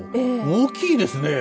大きいですね。